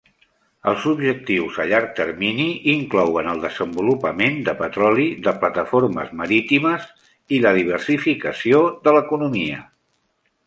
Els objectius a llarg termini inclouen el desenvolupament de petroli de plataformes marítimes i la diversificació de l'economia.